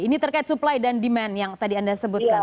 ini terkait supply dan demand yang tadi anda sebutkan